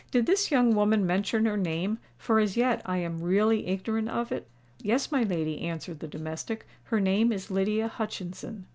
"Did this young woman mention her name—for as yet I am really ignorant of it?" "Yes, my lady," answered the domestic: "her name is Lydia Hutchinson."